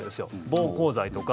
暴行罪とか。